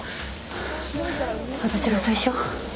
私が最初？